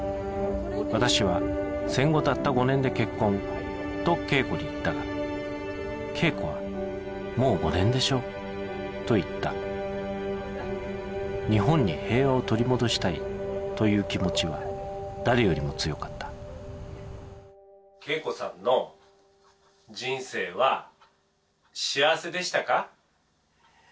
私は「戦後たった５年で結婚」と桂子に言ったが桂子は「もう５年でしょ」と言った日本に平和を取り戻したいという気持ちは誰よりも強かった桂子さんの人生は幸せでしたか？